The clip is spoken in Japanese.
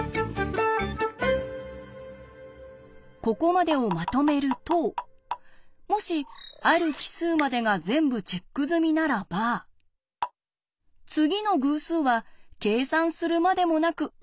ここまでをまとめるともしある奇数までが全部チェック済みならば次の偶数は計算するまでもなく１に行きます。